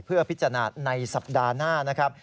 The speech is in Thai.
เพื่อพิจารณาในสัปดาห์หน้านะครับ